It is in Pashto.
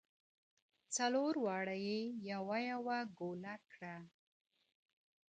• څلور واړه یې یوه یوه ګوله کړه -